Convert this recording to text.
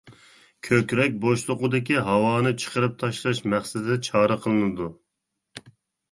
كۆكرەك بوشلۇقىدىكى ھاۋانى چىقىرىپ تاشلاش مەقسىتىدە چارە قىلىنىدۇ.